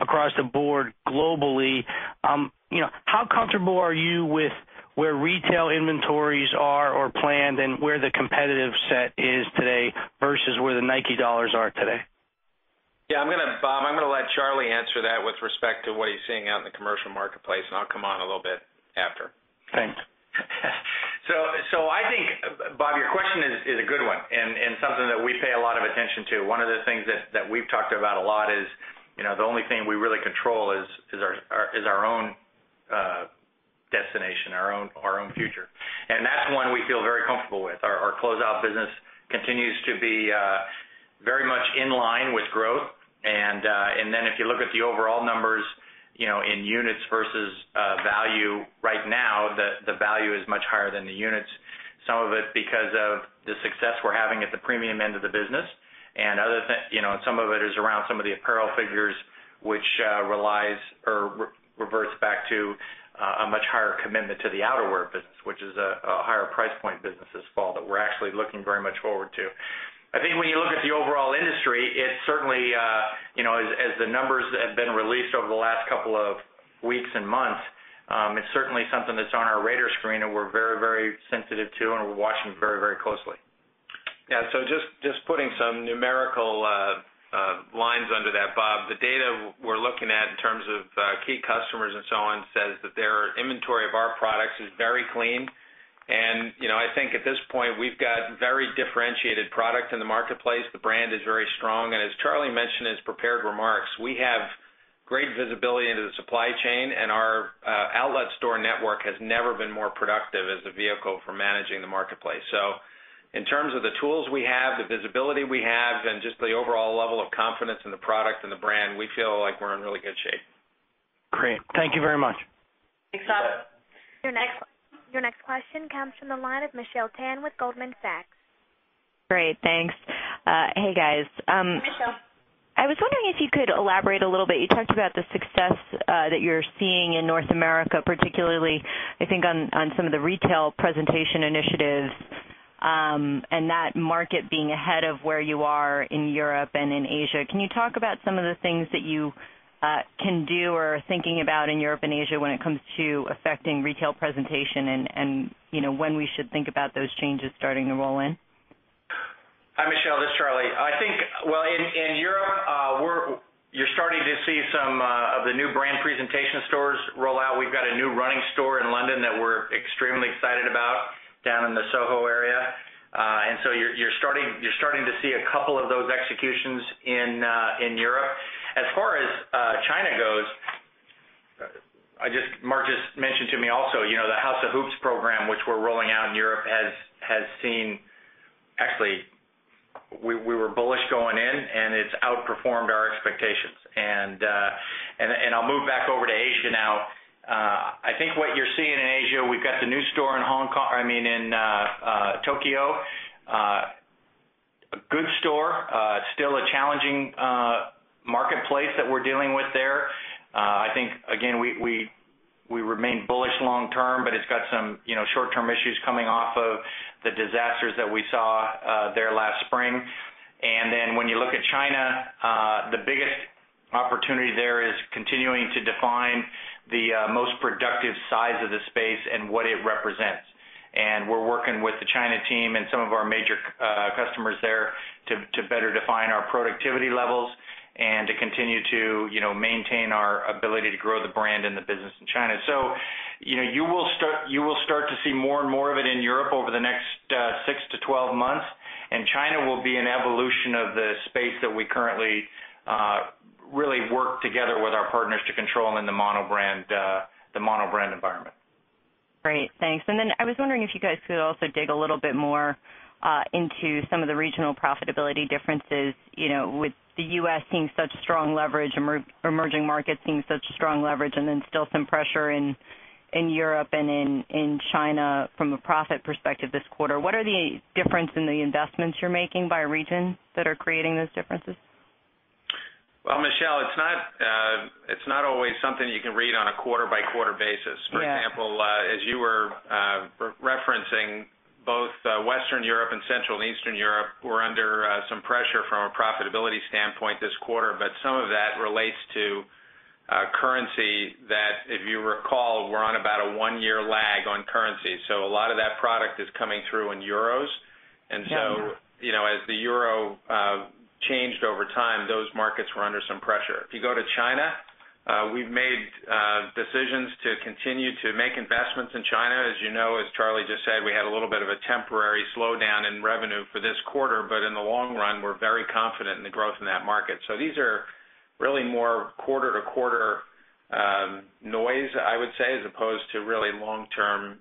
Speaker 7: across the board globally, how comfortable are you with where retail inventories are or planned and where the competitive set is today versus where the Nike dollars are today?
Speaker 5: Yeah, I'm going to let Charlie answer that with respect to what he's seeing out in the commercial marketplace, and I'll come on a little bit after.
Speaker 4: Thanks. I think, Bob, your question is a good one and something that we pay a lot of attention to. One of the things that we've talked about a lot is, you know, the only thing we really control is our own destination, our own future. That's one we feel very comfortable with. Our closeout business continues to be very much in line with growth, and if you look at the overall numbers, in units versus value, right now the value is much higher than the units, some of it because of the success we're having at the premium end of the business, and some of it is around some of the apparel figures, which relies or reverts back to a much higher commitment to the outerwear business, which is a higher price point business this fall that we're actually looking very much forward to. I think when you look at the overall industry, it's certainly, as the numbers have been released over the last couple of weeks and months, it's certainly something that's on our radar screen and we're very, very sensitive to and we're watching very, very closely.
Speaker 5: Yeah, just putting some numerical lines under that, Bob, the data we're looking at in terms of key customers and so on says that their inventory of our products is very clean, and I think at this point we've got very differentiated product in the marketplace. The brand is very strong, and as Charlie mentioned in his prepared remarks, we have great visibility into the supply chain, and our outlet store network has never been more productive as the vehicle for managing the marketplace. In terms of the tools we have, the visibility we have, and just the overall level of confidence in the product and the brand, we feel like we're in really good shape.
Speaker 7: Great, thank you very much.
Speaker 2: Thanks, Bob.
Speaker 1: Your next question comes from the line of Michelle Tan with Goldman Sachs.
Speaker 8: Great, thanks. Hey guys.
Speaker 1: Michelle.
Speaker 8: I was wondering if you could elaborate a little bit. You talked about the success that you're seeing in North America, particularly I think on some of the retail presentation initiatives, and that market being ahead of where you are in Europe and in Asia. Can you talk about some of the things that you can do or are thinking about in Europe and Asia when it comes to affecting retail presentation and when we should think about those changes starting to roll in?
Speaker 4: Hi Michelle, this is Charlie. In Europe, you're starting to see some of the new brand presentation stores roll out. We've got a new running store in London that we're extremely excited about, down in the Soho area, and you're starting to see a couple of those executions in Europe. As far as China goes, Mark just mentioned to me also, you know, the House of Hoops program, which we're rolling out in Europe, has seen, actually, we were bullish going in, and it's outperformed our expectations. I'll move back over to Asia now. I think what you're seeing in Asia, we've got the new store in Hong Kong, I mean, in Tokyo, a good store, still a challenging marketplace that we're dealing with there. I think, again, we remain bullish long term, but it's got some short-term issues coming off of the disasters that we saw there last spring. When you look at China, the biggest opportunity there is continuing to define the most productive size of the space and what it represents. We're working with the China team and some of our major customers there to better define our productivity levels and to continue to maintain our ability to grow the brand and the business in China. You will start to see more and more of it in Europe over the next six to 12 months, and China will be an evolution of the space that we currently really work together with our partners to control in the monobrand environment.
Speaker 8: Great, thanks. I was wondering if you guys could also dig a little bit more into some of the regional profitability differences, you know, with the U.S. seeing such a strong leverage and emerging markets seeing such a strong leverage, and still some pressure in Europe and in China from a profit perspective this quarter. What are the differences in the investments you're making by region that are creating those differences?
Speaker 5: Michelle, it's not always something you can read on a quarter-by-quarter basis. For example, as you were referencing, both Western Europe and Central and Eastern Europe were under some pressure from a profitability standpoint this quarter, but some of that relates to currency that, if you recall, we're on about a one-year lag on currency. A lot of that product is coming through in euros, and as the euro changed over time, those markets were under some pressure. If you go to China, we've made decisions to continue to make investments in China. As you know, as Charlie just said, we had a little bit of a temporary slowdown in revenue for this quarter, but in the long run, we're very confident in the growth in that market. These are really more quarter-to-quarter noise, I would say, as opposed to really long-term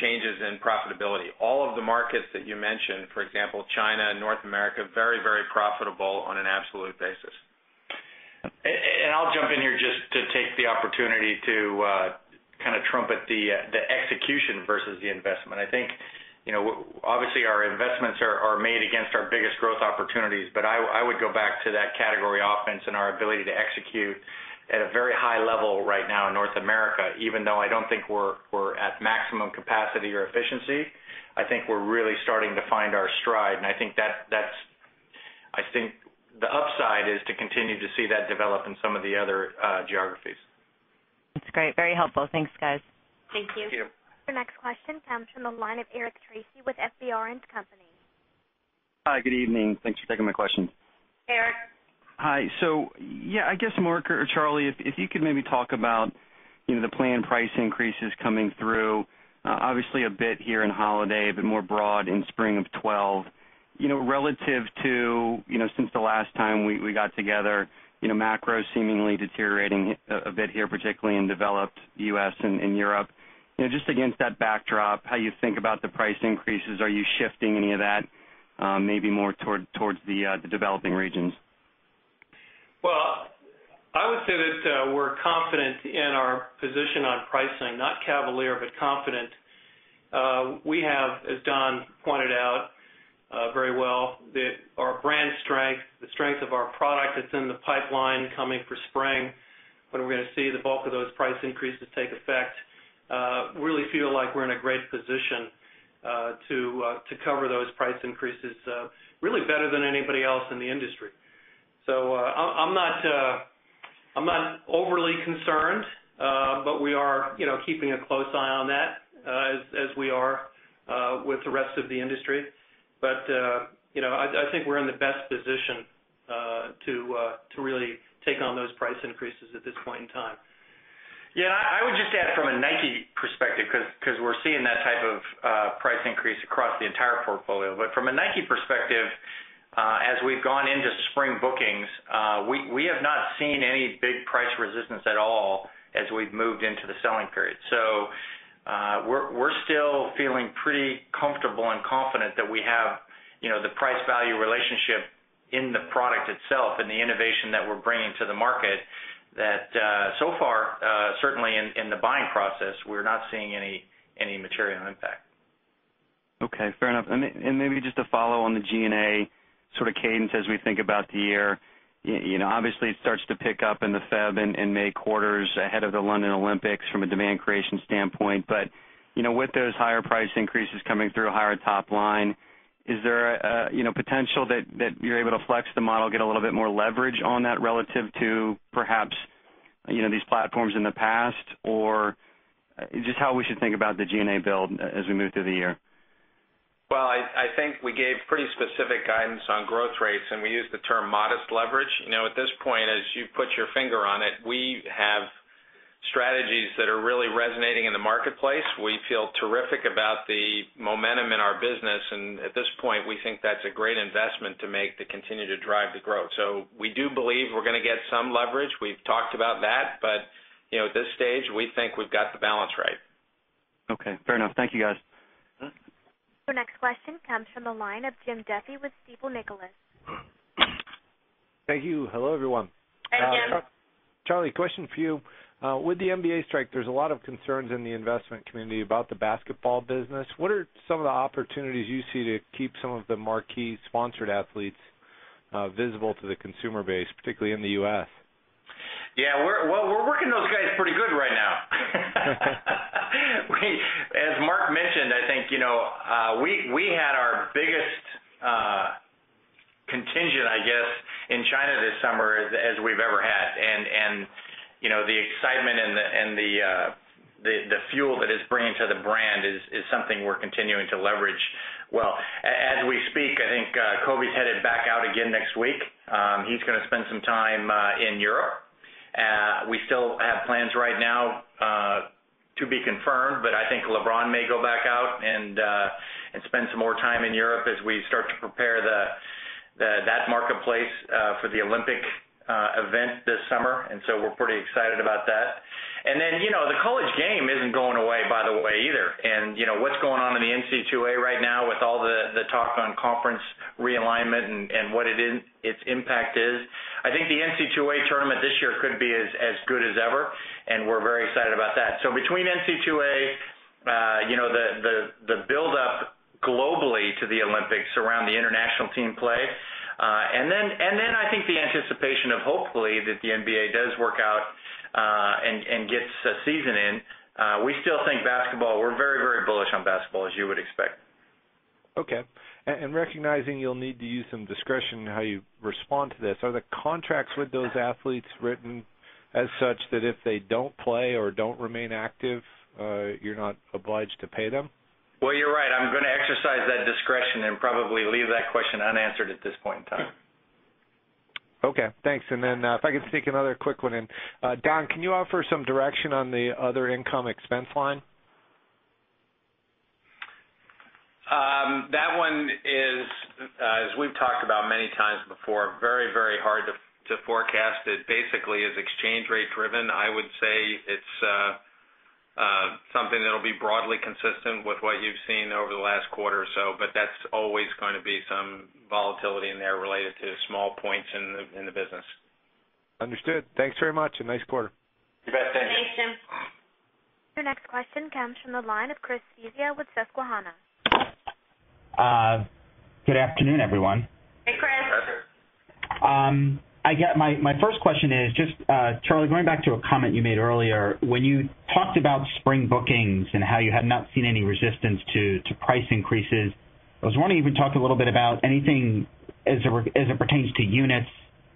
Speaker 5: changes in profitability. All of the markets that you mentioned, for example, China, North America, very, very profitable on an absolute basis.
Speaker 4: I'll jump in here just to take the opportunity to kind of trumpet the execution versus the investment. I think, you know, obviously, our investments are made against our biggest growth opportunities, but I would go back to that category offense and our ability to execute at a very high level right now in North America, even though I don't think we're at maximum capacity or efficiency. I think we're really starting to find our stride, and I think the upside is to continue to see that develop in some of the other geographies.
Speaker 8: That's great, very helpful. Thanks, guys.
Speaker 1: Thank you.
Speaker 4: Thank you.
Speaker 1: Our next question comes from the line of Eric Tracy with FBR & Company.
Speaker 9: Hi, good evening. Thanks for taking my question.
Speaker 2: Eric.
Speaker 9: Hi. I guess, Mark or Charlie, if you could maybe talk about the planned price increases coming through, obviously a bit here in holiday, but more broad in spring of 2012. Relative to since the last time we got together, macro seemingly deteriorating a bit here, particularly in developed U.S. and Europe. Just against that backdrop, how you think about the price increases, are you shifting any of that maybe more towards the developing regions?
Speaker 3: I would say that we're confident in our position on pricing, not cavalier, but confident. As Don pointed out very well, our brand strength, the strength of our product that's in the pipeline coming for spring, when we're going to see the bulk of those price increases take effect, really feel like we're in a great position to cover those price increases really better than anybody else in the industry. I'm not overly concerned, but we are keeping a close eye on that as we are with the rest of the industry. I think we're in the best position to really take on those price increases at this point in time.
Speaker 4: I would just add from a Nike perspective, because we're seeing that type of price increase across the entire portfolio. From a Nike perspective, as we've gone into spring bookings, we have not seen any big price resistance at all as we've moved into the selling period. We're still feeling pretty comfortable and confident that we have the price-value relationship in the product itself and the innovation that we're bringing to the market. So far, certainly in the buying process, we're not seeing any material impact.
Speaker 9: Okay, fair enough. Maybe just to follow on the G&A sort of cadence as we think about the year, you know, obviously it starts to pick up in the February and May quarters ahead of the London Olympics from a demand creation standpoint. With those higher price increases coming through a higher top line, is there a potential that you're able to flex the model, get a little bit more leverage on that relative to perhaps these platforms in the past, or just how we should think about the G&A build as we move through the year?
Speaker 5: I think we gave pretty specific guidance on growth rates, and we used the term modest leverage. At this point, as you put your finger on it, we have strategies that are really resonating in the marketplace. We feel terrific about the momentum in our business, and at this point, we think that's a great investment to make to continue to drive the growth. We do believe we're going to get some leverage. We've talked about that, but at this stage, we think we've got the balance right.
Speaker 9: Okay, fair enough. Thank you, guys.
Speaker 1: Our next question comes from the line of Jim Duffy with Stifel Nicolaus.
Speaker 10: Thank you. Hello, everyone. Charlie, question for you. With the NBA strike, there's a lot of concerns in the investment community about the basketball business. What are some of the opportunities you see to keep some of the marquee sponsored athletes visible to the consumer base, particularly in the U.S.?
Speaker 4: Yeah, we're working those guys pretty good right now. As Mark mentioned, I think we had our biggest contingent in China this summer as we've ever had. The excitement and the fuel that it's bringing to the brand is something we're continuing to leverage well. As we speak, I think Kobe's headed back out again next week. He's going to spend some time in Europe. We still have plans right now to be confirmed, but I think LeBron may go back out and spend some more time in Europe as we start to prepare that marketplace for the Olympic event this summer. We're pretty excited about that. The college game isn't going away, by the way, either. What's going on in the NCAA right now with all the talk on conference realignment and what its impact is, I think the NCAA tournament this year could be as good as ever, and we're very excited about that. Between NCAA, the buildup globally to the Olympics around the international team play, and the anticipation of hopefully that the NBA does work out and gets a season in, we still think basketball, we're very, very bullish on basketball as you would expect.
Speaker 10: Okay. Recognizing you'll need to use some discretion in how you respond to this, are the contracts with those athletes written as such that if they don't play or don't remain active, you're not obliged to pay them?
Speaker 4: You are right. I'm going to exercise that discretion and probably leave that question unanswered at this point in time.
Speaker 10: Okay, thanks. If I could sneak another quick one in, Don, can you offer some direction on the other income expense line?
Speaker 5: That one is, as we've talked about many times before, very, very hard to forecast. It basically is exchange rate driven. I would say it's something that'll be broadly consistent with what you've seen over the last quarter or so, but there is always going to be some volatility in there related to small points in the business.
Speaker 10: Understood. Thanks very much and nice quarter.
Speaker 5: You bet. Thanks.
Speaker 1: Your next question comes from the line of Chris Svezia with Susquehanna.
Speaker 11: Good afternoon, everyone.
Speaker 2: Hey, Chris.
Speaker 11: My first question is just, Charlie, going back to a comment you made earlier, when you talked about spring bookings and how you had not seen any resistance to price increases, I was wondering if you can talk a little bit about anything as it pertains to units,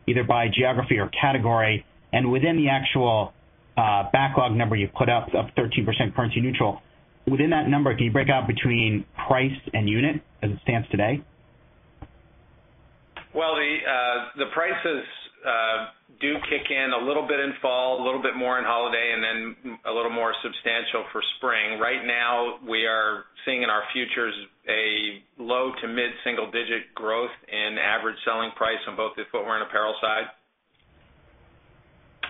Speaker 11: either by geography or category, and within the actual backlog number you put up of 13% currency neutral. Within that number, can you break out between price and unit as it stands today?
Speaker 4: The prices do kick in a little bit in fall, a little bit more in holiday, and then a little more substantial for spring. Right now, we are seeing in our futures a low to mid-single-digit growth in average selling price on both the footwear and apparel side.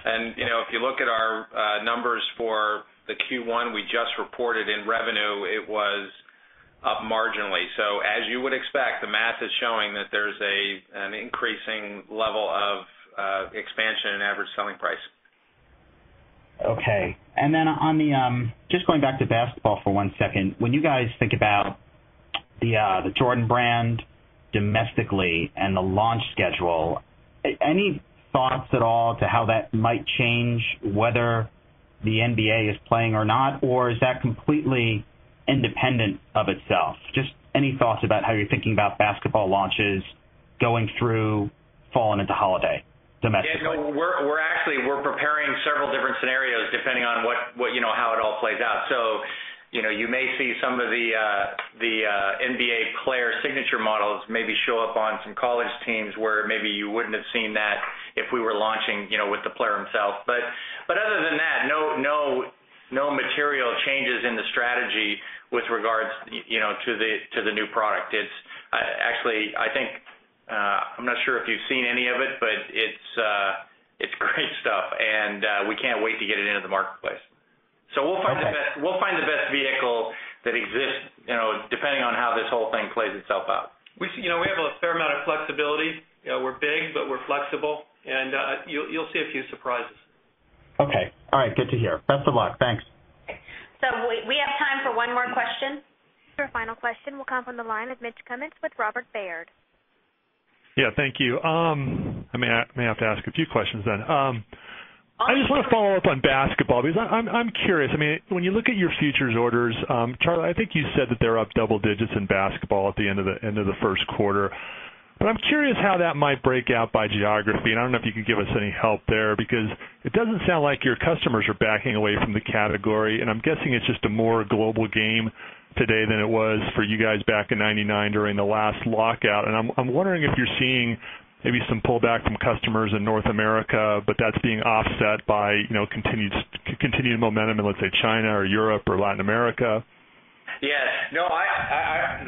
Speaker 4: If you look at our numbers for the Q1 we just reported in revenue, it was up marginally. As you would expect, the math is showing that there's an increasing level of expansion in average selling price.
Speaker 11: Okay, just going back to basketball for one second, when you guys think about the Jordan brand domestically and the launch schedule, any thoughts at all to how that might change whether the NBA is playing or not, or is that completely independent of itself? Any thoughts about how you're thinking about basketball launches going through fall and into holiday domestically?
Speaker 4: We're actually preparing several different scenarios depending on how it all plays out. You may see some of the NBA player signature models show up on some college teams where maybe you wouldn't have seen that if we were launching with the player himself. Other than that, no material changes in the strategy with regards to the new product. It's actually, I think, I'm not sure if you've seen any of it, but it's great stuff, and we can't wait to get it into the marketplace. We'll find the best vehicle that exists, depending on how this whole thing plays itself out.
Speaker 3: You know, we have a fair amount of flexibility. We're big, but we're flexible, and you'll see a few surprises.
Speaker 11: Okay, all right, good to hear. Best of luck. Thanks.
Speaker 1: We have time for one more question. For a final question, we'll come from the line of [Mitch Cummins] with Robert Baird. Thank you. I may have to ask a few questions then. I just want to follow up on basketball because I'm curious. When you look at your futures orders, Charlie, I think you said that they're up double digits in basketball at the end of the first quarter. I'm curious how that might break out by geography, and I don't know if you could give us any help there because it doesn't sound like your customers are backing away from the category. I'm guessing it's just a more global game today than it was for you guys back in 1999 during the last lockout. I'm wondering if you're seeing maybe some pullback from customers in North America, but that's being offset by continued momentum in, let's say, Greater China or Western Europe or Latin America?
Speaker 4: Yeah, no,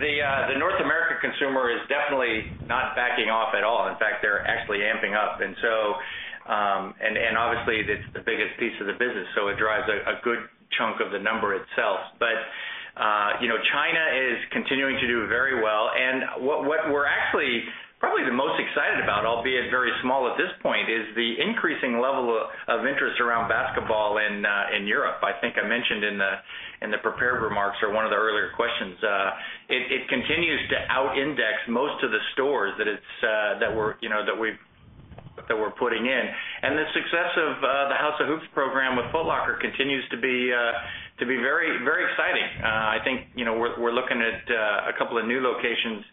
Speaker 4: the North American consumer is definitely not backing off at all. In fact, they're actually amping up. Obviously, that's the biggest piece of the business, so it drives a good chunk of the number itself. China is continuing to do very well, and what we're actually probably the most excited about, albeit very small at this point, is the increasing level of interest around basketball in Europe. I think I mentioned in the prepared remarks or one of the earlier questions, it continues to out-index most of the stores that we're putting in. The success of the House of Hoops program with Foot Locker continues to be very, very exciting. I think we're looking at a couple of new locations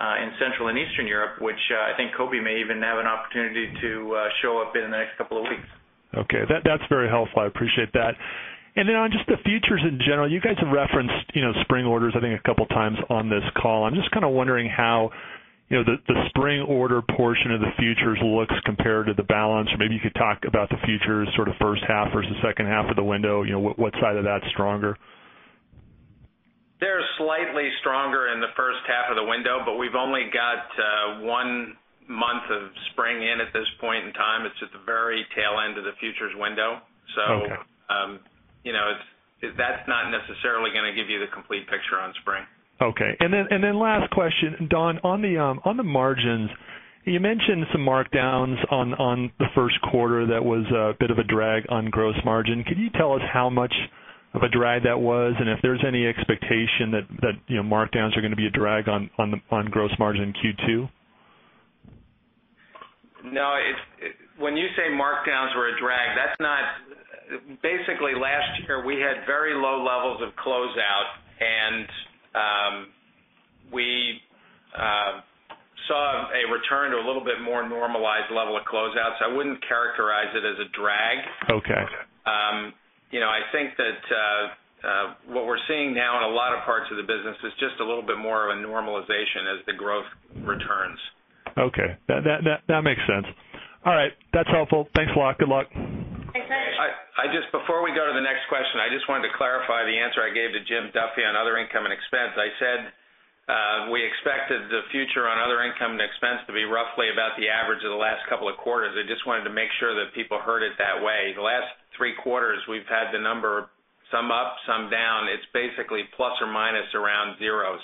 Speaker 4: in Central and Eastern Europe, which I think Kobe may even have an opportunity to show up in the next couple of weeks. Okay, that's very helpful. I appreciate that. On just the futures in general, you guys have referenced, you know, spring orders, I think a couple of times on this call. I'm just kind of wondering how the spring order portion of the futures looks compared to the balance, or maybe you could talk about the futures sort of first half versus second half of the window, you know, what side of that's stronger?
Speaker 5: They're slightly stronger in the first half of the window, but we've only got one month of spring in at this point in time. It's at the very tail end of the futures window, so that's not necessarily going to give you the complete picture on spring. Okay. Last question, Don, on the margins, you mentioned some markdowns on the first quarter that was a bit of a drag on gross margin. Could you tell us how much of a drag that was and if there's any expectation that markdowns are going to be a drag on gross margin in Q2? No, when you say markdowns were a drag, that's not. Basically, last year we had very low levels of closeout, and we saw a return to a little bit more normalized level of closeout, so I wouldn't characterize it as a drag. Okay. I think that what we're seeing now in a lot of parts of the business is just a little bit more of a normalization as the growth returns. Okay, that makes sense. All right, that's helpful. Thanks a lot. Good luck.
Speaker 2: Thanks, guys.
Speaker 5: Before we go to the next question, I just wanted to clarify the answer I gave to Jim Duffy on other income and expense. I said we expected the future on other income and expense to be roughly about the average of the last couple of quarters. I just wanted to make sure that people heard it that way. The last three quarters, we've had the number some up, some down. It's basically plus or minus around zero.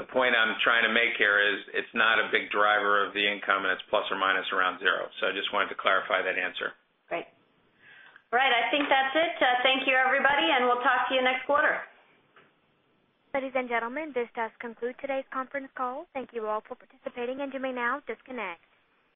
Speaker 5: The point I'm trying to make here is it's not a big driver of the income, and it's plus or minus around zero. I just wanted to clarify that answer.
Speaker 2: Great. All right, I think that's it. Thank you, everybody, and we'll talk to you next quarter.
Speaker 1: Ladies and gentlemen, this does conclude today's conference call. Thank you all for participating, and you may now disconnect.